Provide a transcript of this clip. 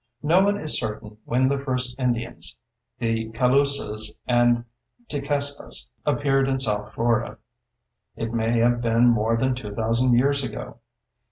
No one is certain when the first Indians—the Calusas and Tequestas—appeared in south Florida; it may have been more than 2,000 years ago.